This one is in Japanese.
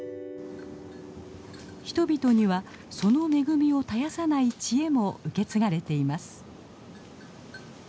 人々にはその恵みを絶やさない知恵も受け継がれています。